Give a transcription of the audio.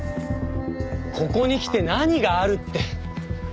ここに来て何があるって。